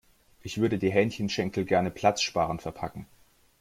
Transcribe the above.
Ich würde die Hähnchenschenkel gerne platzsparend verpacken.